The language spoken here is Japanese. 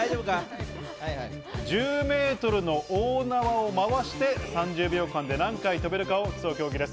１０ｍの大縄を回して３０秒間で何回跳べるかを競う競技です。